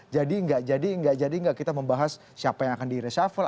jadi nggak jadi nggak jadi nggak kita membahas siapa yang akan di reshuffle